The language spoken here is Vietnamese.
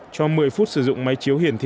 trong một mươi phút sử dụng máy chiếu hiển thị